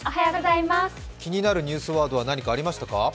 気になるニュースワード、何かありましたか？